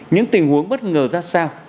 những tình huống bất ngờ ra sao